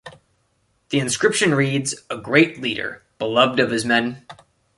The inscription reads: "A great leader - Beloved of his men".